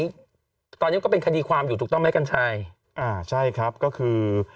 ตอนนี้มันก็เป็นคดีความอยู่ถูกต้องไหมกัญชัยอ่าใช่ครับก็คือ